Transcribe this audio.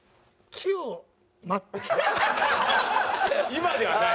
今ではない？